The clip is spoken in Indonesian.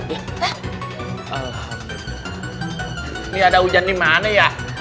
ini ada hujan dimana ya